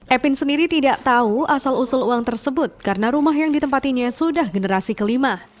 epin sendiri tidak tahu asal usul uang tersebut karena rumah yang ditempatinya sudah generasi kelima